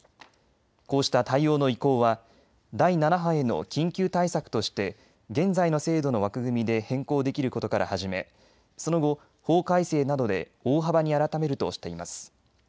こうした対応の移行は第７波への緊急対策として現在の制度の枠組みで変更できることから始めその後、法改正などで大幅に改めるとしています。